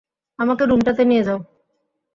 আমাকে রুমটাতে নিয়ে যাও।